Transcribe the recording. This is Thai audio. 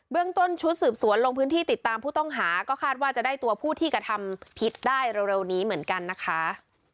เรื่องต้นชุดสืบสวนลงพื้นที่ติดตามผู้ต้องหาก็คาดว่าจะได้ตัวผู้ที่กระทำผิดได้เร็วนี้เหมือนกันนะคะ